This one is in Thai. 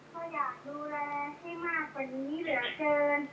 ก็อยากดูแลให้มากกว่านี้เหลือเกิน